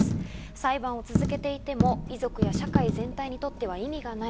裁判を続けても遺族や社会全体にとって意味がない。